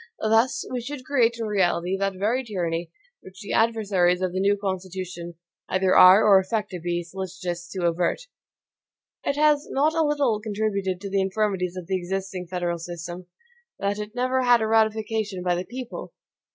Thus, we should create in reality that very tyranny which the adversaries of the new Constitution either are, or affect to be, solicitous to avert. It has not a little contributed to the infirmities of the existing federal system, that it never had a ratification by the PEOPLE.